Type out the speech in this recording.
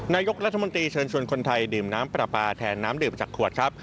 นายกรัฐมนตรีเชิญชวนคนไทยดื่มน้ำปลาปลาแทนน้ำดื่มจากขวดครับ